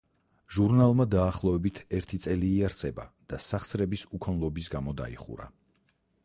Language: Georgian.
ჟურნალმა დაახლოებით ერთი წელი იარსება და სახსრების უქონლობის გამო დაიხურა.